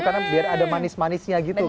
karena biar ada manis manisnya gitu kan